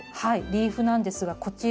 リーフなんですがこちら。